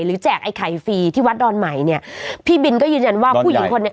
แจกไอ้ไข่ฟรีที่วัดดอนใหม่เนี่ยพี่บินก็ยืนยันว่าผู้หญิงคนนี้